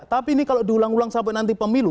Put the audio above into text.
tapi ini kalau diulang ulang sampai nanti pemilu